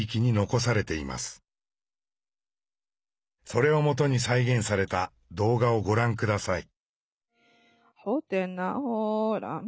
それを基に再現された動画をご覧下さい。